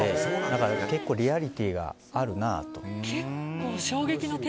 だから結構リアリティーがあるなと。